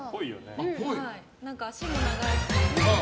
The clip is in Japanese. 足も長いし。